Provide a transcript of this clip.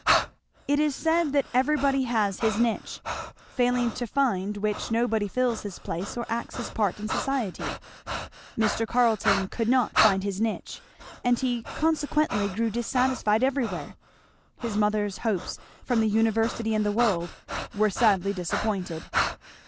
It is said that everybody has his niche, failing to find which nobody fills his place or acts his part in society. Mr. Carleton could not find his niche, and he consequently grew dissatisfied everywhere. His mother's hopes from the University and the World, were sadly disappointed.